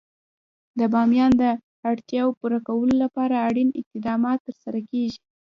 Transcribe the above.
د بامیان د اړتیاوو پوره کولو لپاره اړین اقدامات ترسره کېږي.